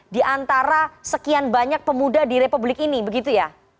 di antara sekian banyak pemuda di republik ini begitu ya